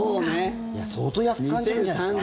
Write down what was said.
相当安く感じるんじゃないですか？